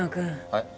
はい？